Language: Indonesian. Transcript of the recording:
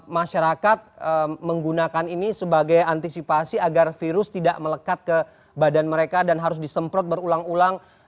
masyarakat menggunakan ini sebagai antisipasi agar virus tidak melekat ke badan mereka dan harus disemprot berulang ulang